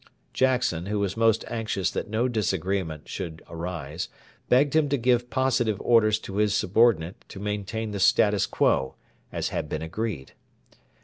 Jackson, who was most anxious that no disagreement should arise, begged him to give positive orders to his subordinate to maintain the status quo, as had been agreed.